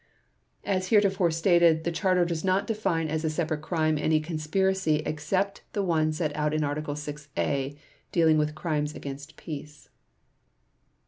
As heretofore stated, the Charter does not define as a separate crime any conspiracy except the one set out in Article 6 (a), dealing with Crimes against Peace.